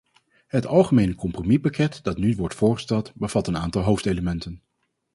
Het algemene compromispakket dat nu wordt voorgesteld, bevat een aantal hoofdelementen.